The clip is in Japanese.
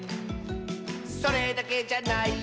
「それだけじゃないよ」